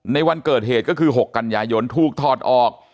ในวันเกิดเหตุก็คือ๖กันยายนถูกถอดออก